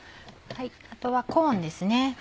あとはコーンです。